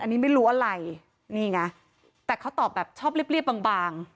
อันนี้ไม่รู้อะไรนี่ไงแต่เขาตอบแบบชอบเรียบบาง